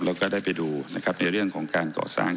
แล้วก็ได้ไปดูนะครับในเรื่องของการเกาะสร้าง